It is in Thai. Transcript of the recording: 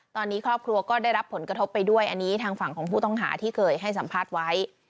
ตอนนี้ครอบครัวก็ได้รับผลกระทบไปด้วยอันนี้ทางฝั่งของผู้ต้องหาที่เคยให้สัมภาษณ์ไว้